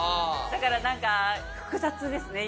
だからなんか複雑ですね